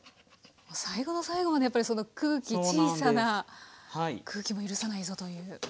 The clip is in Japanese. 最後の最後までやっぱり空気小さな空気も許さないぞという。